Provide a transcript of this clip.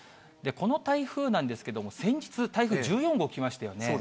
この台風なんですけれども、先日、台風１４号来ましたよね。